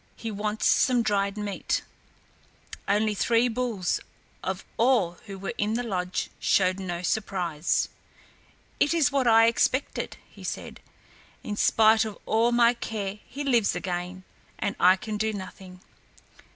He wants some dried meat," only Three Bulls of all who were in the lodge, showed no surprise. "It is what I expected," he said; "in spite of all my care he lives again, and I can do nothing."